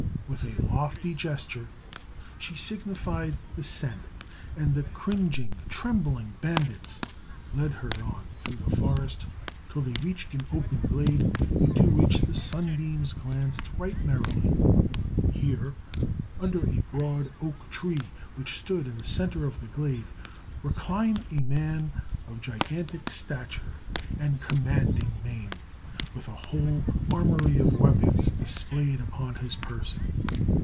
With a lofty gesture she signified assent, and the cringing, trembling bandits led her on through the forest till they reached an open glade, into which the sunbeams glanced right merrily. Here, under a broad oak tree which stood in the centre of the glade, reclined a man of gigantic stature and commanding mien, with a whole armory of weapons displayed upon his person.